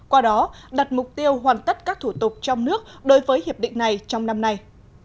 qua đó đặt mục tiêu hoàn tất các thủ tục trong nước đối với hiệp định này trong năm nay